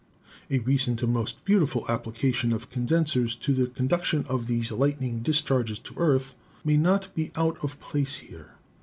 A recent and most beautiful application of condensers to the conduction of these lightning discharges to earth may not be out of place here.